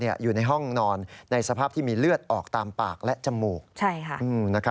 อยู่ในห้องนอนในสภาพที่มีเลือดออกตามปากและจมูก